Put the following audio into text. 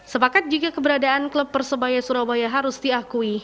sepakat jika keberadaan klub persebaya surabaya harus diakui